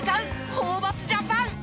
ホーバスジャパン。